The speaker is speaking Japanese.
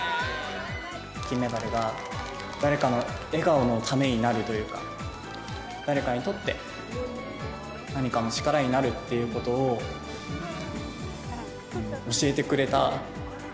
金メダルが誰かの笑顔のためになるというか、誰かにとって、何かの力になるっていうことを、教えてくれた。